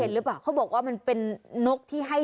นกกะแตแต่แหวด